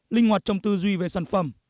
linh hoạt trong tư duy về sản phẩm